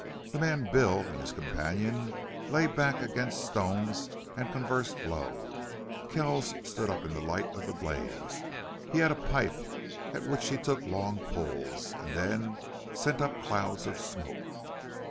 The man Bill and his companion lay back against stones and conversed low. Kells stood up in the light of the blaze. He had a pipe at which he took long pulls and then sent up clouds of smoke.